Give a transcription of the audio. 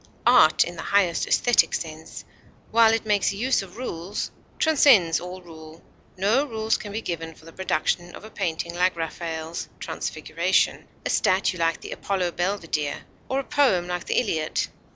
Art in the highest esthetic sense, while it makes use of rules, transcends all rule; no rules can be given for the production of a painting like Raffael's "Transfiguration," a statue like the Apollo Belvedere, or a poem like the Iliad.